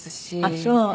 ああそう？